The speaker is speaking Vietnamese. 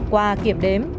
qua kiểm đếm